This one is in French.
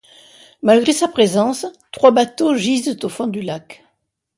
Malgré sa présence, trois bateaux gisent au fond du lac.